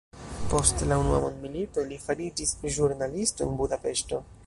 Post la unua mondmilito li fariĝis ĵurnalisto en Budapeŝto.